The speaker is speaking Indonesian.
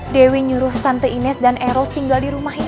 dewi nyuruh tante ines dan eros tinggal di rumah itu